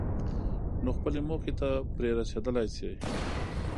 نو خپلې موخې ته پرې رسېدلای شئ.